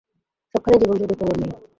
সবখানেই জীবন যৌগের প্রমাণ মেলে।